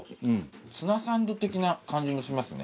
ツナサンド的な感じもしますね。